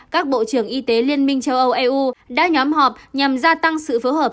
các bộ trưởng y tế liên minh châu âu eu đã nhóm họp nhằm gia tăng sự phối hợp